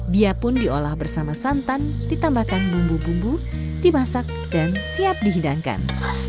bia pun diolah bersama santan ditambahkan bumbu bumbu dimasak dan siap dihidangkan